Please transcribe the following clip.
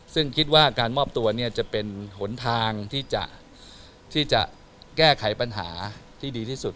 ซึ่งคิดว่าการมอบตัวเนี่ยจะเป็นหนทางที่จะแก้ไขปัญหาที่ดีที่สุด